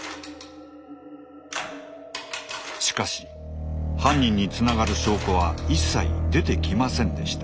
しかし犯人につながる証拠は一切出てきませんでした。